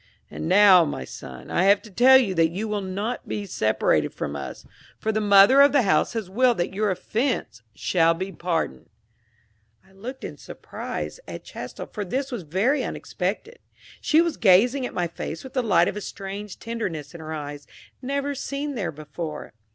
And now, my son, I have to tell you that you will not be separated from us, for the mother of the house has willed that your offense shall be pardoned." I looked in surprise at Chastel, for this was very unexpected: she was gazing at my face with the light of a strange tenderness in her eyes, never seen there before.